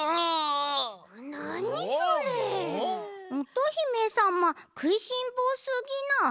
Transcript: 乙姫さまくいしんぼうすぎない？